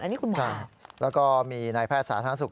อันนี้คุณหมอแล้วก็มีนายแพทย์สาธารณสุข